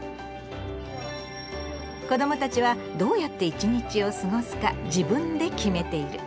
子どもたちはどうやって一日を過ごすか自分で決めている。